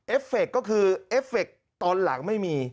ฟเฟคก็คือเอฟเฟคตอนหลังไม่มี